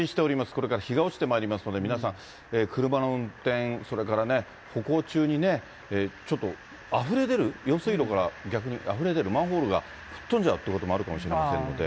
これから日が落ちてまいりますので、皆さん、車の運転、それからね、歩行中にちょっとあふれ出る、用水路から逆にあふれ出る、マンホールがふっ飛んじゃうということもあるかもしれませんので。